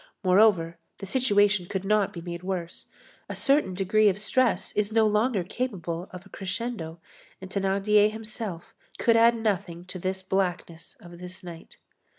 Moreover, the situation could not be made worse, a certain degree of distress is no longer capable of a crescendo, and Thénardier himself could add nothing to this blackness of this night.